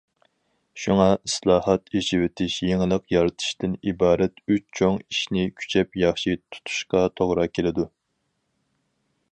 شۇڭا، ئىسلاھات، ئېچىۋېتىش، يېڭىلىق يارىتىشتىن ئىبارەت ئۈچ چوڭ ئىشنى كۈچەپ ياخشى تۇتۇشقا توغرا كېلىدۇ.